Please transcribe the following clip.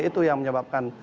itu yang menyebabkan